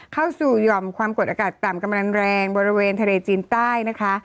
เข้าสู่หย่อมความกดอากาศต่ำกำลังแรงบริเวณทะเลจีนใต้นะคะ